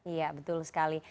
iya betul sekali